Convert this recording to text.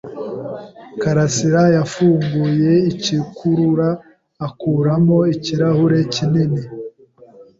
Karasirayafunguye igikurura akuramo ikirahure kinini.